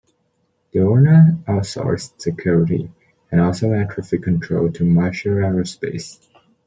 The owners outsourced security, and also air traffic control to Marshall Aerospace.